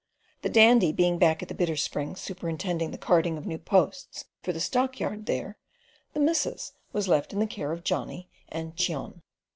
The Dandy being back at the Bitter Springs superintending the carting of new posts for the stockyard there, the missus was left in the care of Johnny and Cheon.